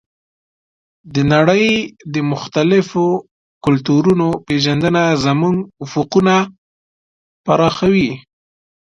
د نړۍ د مختلفو کلتورونو پېژندنه زموږ افقونه پراخوي.